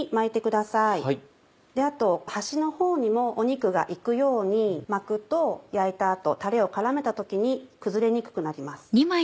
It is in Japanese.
あと端のほうにも肉が行くように巻くと焼いた後タレを絡めた時に崩れにくくなります。